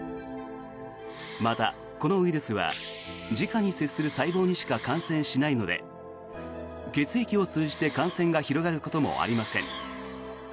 また、このウイルスはじかに接する細胞にしか感染しないので、血液を通じて感染が広がることもありません。